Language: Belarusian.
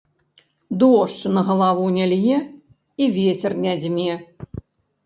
Дождж на галаву не лье і вецер не дзьме.